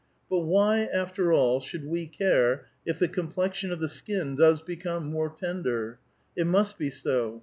But why after all should we care if the com plexion of the skin does become more tender? It must be so.